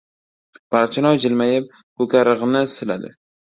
Barchinoy jilmayib, ko‘karig‘ni siladi: